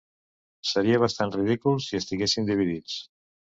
Seria bastant ridícul si estiguéssim dividits.